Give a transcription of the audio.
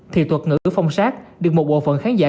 thì thuật ngữ phong sát được một bộ phận khán giả